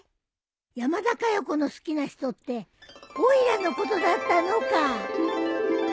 山田かよ子の好きな人っておいらのことだったのか。